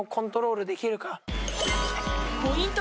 ポイント